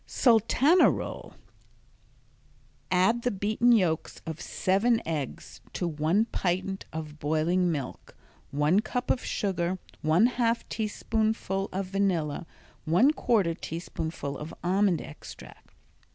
Sultana Roll Add the beaten yolks of seven eggs to one pint of boiling milk, one cup of sugar, one half teaspoonful of vanilla, one quarter teaspoonful of almond extract.